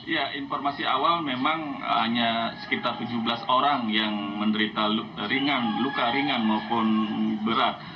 ya informasi awal memang hanya sekitar tujuh belas orang yang menderita luka ringan maupun berat